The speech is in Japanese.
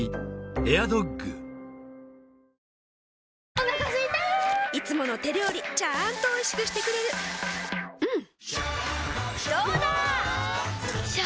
お腹すいたいつもの手料理ちゃんとおいしくしてくれるジューうんどうだわ！